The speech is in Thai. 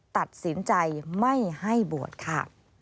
ตัดสินใจไม่ให้บวชค่ะ